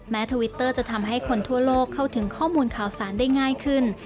ทวิตเตอร์จะทำให้คนทั่วโลกเข้าถึงข้อมูลข่าวสารได้ง่ายขึ้น